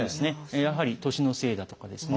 やはり年のせいだとかですね